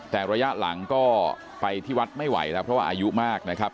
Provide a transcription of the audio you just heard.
แต่ระยะหลังก็ไปที่วัดไม่ไหวแล้วเพราะว่าอายุมากนะครับ